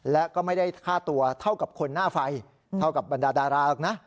และก็ไม่ได้ค่าตัวเท่ากับคนหน้าไฟเท่ากับบรรดาดาราหรอกนะ